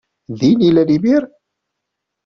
Din i llan imir?